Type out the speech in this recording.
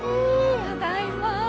ただいま！